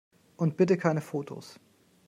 Und bitte keine Fotos!